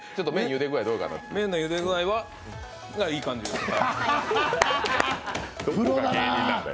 麺のゆで具合は、いい感じですね。